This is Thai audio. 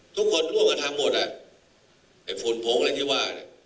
ทุกคนร่วมกันทำหมดอ่ะไอ้ฝุ่นผงอะไรที่ว่าเนี่ย